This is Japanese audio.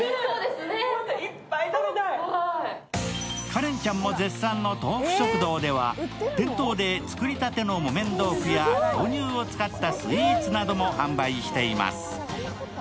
カレンちゃんも絶賛の豆富食堂では店頭で作りたての木綿豆腐や豆乳を使ったスイーツなども販売しています。